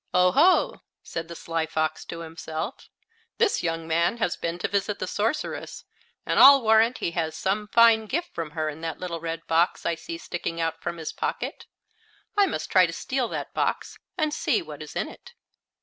"Oh, ho!" said the Sly Fox to himself, "this young man has been to visit the sorceress, and I'll warrant he has some fine gift from her in that little red box I see sticking out from his pocket. I must try to steal that box and see what is in it!"